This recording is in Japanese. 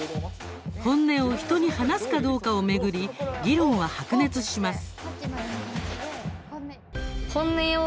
本音を人に話すかどうかを巡り議論は白熱します。